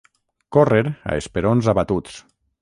Córrer a esperons abatuts.